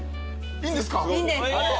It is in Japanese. いいんです。